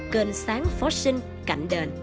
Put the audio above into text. cênh sáng phó sinh cạnh đền